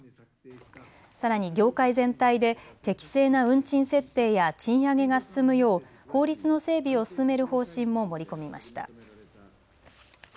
さらに業界全体で適正な運賃設定や賃上げが進むよう法律の整備を進める方針も盛り込みました。